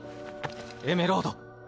エメロード。